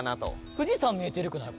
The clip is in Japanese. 富士山見えてるくない？